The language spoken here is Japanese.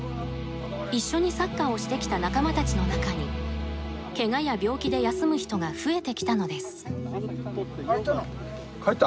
一緒にサッカーをしてきた仲間たちの中にけがや病気で休む人が増えてきたのです。